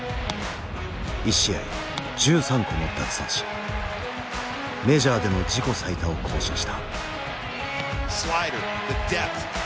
１試合１３個の奪三振メジャーでの自己最多を更新した。